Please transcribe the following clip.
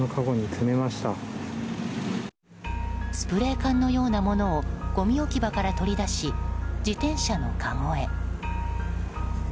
スプレー缶のようなものをごみ置き場から取り出し自転車のかごへ。